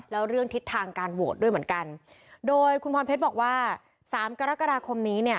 แล้วเรื่องทิศทางการโหวตด้วยเหมือนกันโดยคุณพรเพชรบอกว่าสามกรกฎาคมนี้เนี่ย